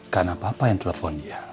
karena papa yang telepon dia